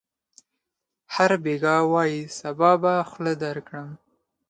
هر بېګا وايي: صبا به خوله درکړم.